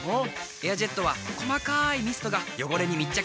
「エアジェット」は細かいミストが汚れに密着。